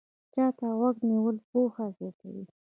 چا ته غوږ نیول پوهه زیاتوي